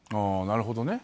なるほどね。